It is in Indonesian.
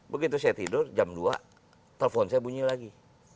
begitu saya tidur jam dua telpon saya bunyi lagi